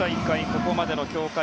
ここまでの強化